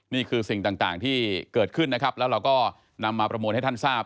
นี่คือสิ่งต่างที่เกิดขึ้นนะครับแล้วเราก็นำมาประมวลให้ท่านทราบ